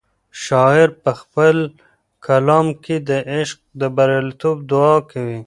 شاعر په خپل کلام کې د عشق د بریالیتوب دعا کوي.